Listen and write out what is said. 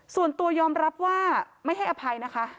ส่วนตัวยอมรับว่าไม่ให้อภัยนะคะ